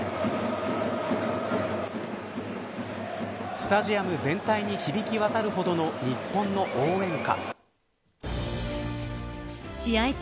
スタジアム全体に響き渡るほどの日本の応援歌。